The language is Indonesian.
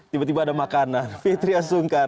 tiba tiba ada makanan fitriah sungkar